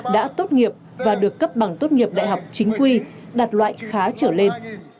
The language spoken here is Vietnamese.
đã tốt nghiệp và được cấp bằng tốt nghiệp đại học chính quy đạt loại khá trở lên